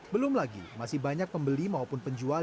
belum lagi masih banyak pembeli maupun penjual